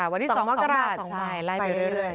วันที่๒มกราศาสน์๒บาทไปเรื่อยใช่ล่ายไปเรื่อย